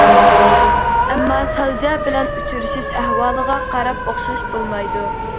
ئەمما سالجا بىلەن ئۇچرىشىش ئەھۋالىغا قاراپ ئوخشاش بولمايدۇ.